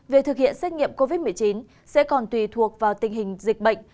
việc thực hiện xét nghiệm covid một mươi chín sẽ còn tùy thuộc vào tình hình dịch bệnh